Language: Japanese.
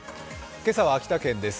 今朝は秋田県です。